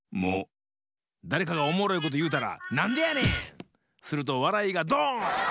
だれかがおもろいこというたら「なんでやねん！」。するとわらいがドーン！